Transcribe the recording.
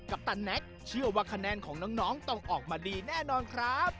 ปตันแน็กเชื่อว่าคะแนนของน้องต้องออกมาดีแน่นอนครับ